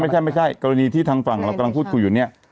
ไม่ใช่กรณีที่ทางฝั่งเรากำลังพูดคุยอยู่เนี่ย